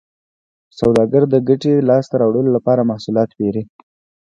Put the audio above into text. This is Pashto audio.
سوداګر د ګټې لاسته راوړلو لپاره محصولات پېري